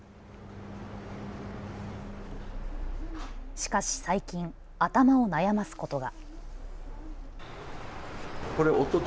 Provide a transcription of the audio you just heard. しかし最近、頭を悩ますことが。